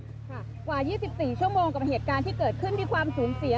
กว่า๒๔ชั่วโมงกับเหตุการณ์ที่เกิดขึ้นมีความสูญเสีย